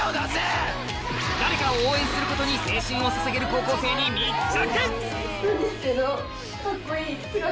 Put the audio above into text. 誰かを応援することに青春を捧げる高校生に密着！